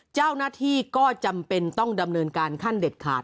เจ้าหน้าที่ก็จำเป็นต้องดำเนินการขั้นเด็ดขาด